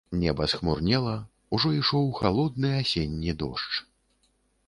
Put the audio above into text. Неба схмурнела, ужо ішоў халодны асенні дождж.